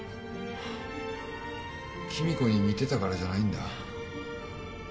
貴美子に似てたからじゃないんだ。